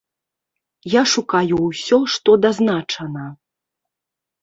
Я шукаю ўсё, што дазначана.